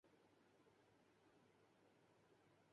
الہ دین کا مکمل ٹریلر خرکار جاری کردیا گیا